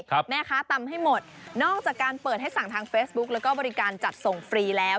แม่ค้าตำให้หมดนอกจากการเปิดให้สั่งทางเฟซบุ๊กแล้วก็บริการจัดส่งฟรีแล้ว